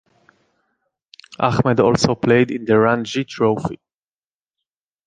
Ahmed also played in the Ranji Trophy.